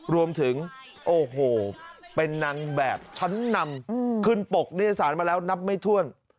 รวมถึงโอ้โหเป็นนางแบบชั้นนำขึ้นปกนิยสารมาแล้วนับไม่ถ้วน